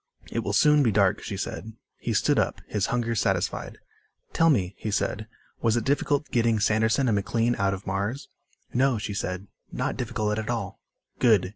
"It will soon be dark," she said. He stood up, his hunger satisfied. "Tell me," he said, "was it difficult getting Sanderson and McLean out of Mars?" "No," she said. "Not difficult at all." "Good."